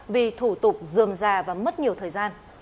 vì thủ tục dườm già và mất nhiều thời gian